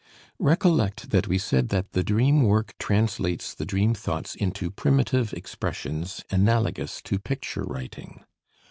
Recollect that we said that the dream work translates the dream thoughts into primitive expressions analogous to picture writing.